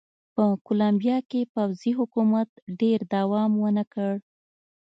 په کولمبیا کې پوځي حکومت ډېر دوام ونه کړ.